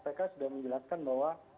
mereka sudah menjelaskan bahwa